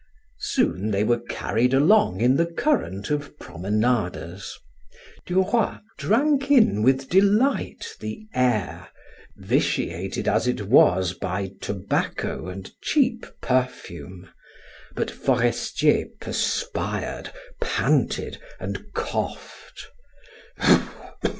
Soon they were carried along in the current of promenaders. Duroy drank in with delight the air, vitiated as it was by tobacco and cheap perfume, but Forestier perspired, panted, and coughed.